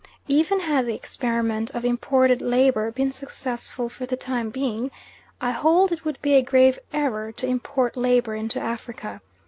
Even had the experiment of imported labour been successful for the time being, I hold it would be a grave error to import labour into Africa.